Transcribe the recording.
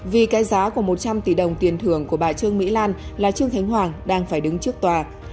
vì cái giá của một trăm linh tỷ đồng tiền thưởng của bà trương mỹ lan là trương thánh hoàng đang phải đứng trước tòa